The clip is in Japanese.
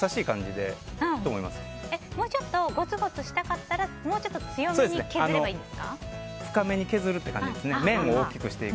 もうちょっとゴツゴツしたかったらもうちょっと深めに削るっていう感じですね。